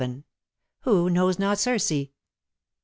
'^ WHO KNOWS NOT CIRCE ?"